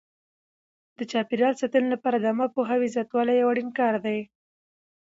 د چاپیریال ساتنې لپاره د عامه پوهاوي زیاتول یو اړین کار دی.